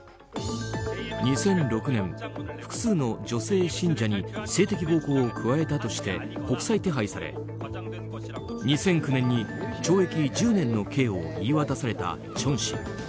２００６年、複数の女性信者に性的暴行を加えたとして国際手配され、２００９年に懲役１０年の刑を言い渡されたチョン氏。